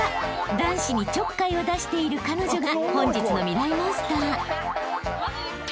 男子にちょっかいを出している彼女が］